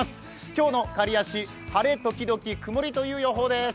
今日の刈谷市、晴れ時々曇りという予報です。